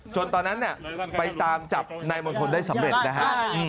ตอนนั้นเนี่ยไปตามจับนายมณฑลได้สำเร็จนะฮะ